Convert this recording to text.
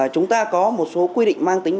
chúng ta có một số quy định mang tính